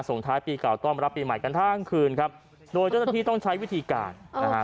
ส่งท้ายปีเก่าต้อนรับปีใหม่กันทั้งคืนครับโดยเจ้าหน้าที่ต้องใช้วิธีการนะฮะ